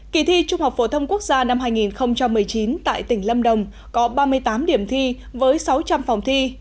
kỳ thi trung học phổ thông quốc gia năm hai nghìn một mươi chín tại tỉnh lâm đồng có ba mươi tám điểm thi với sáu trăm linh phòng thi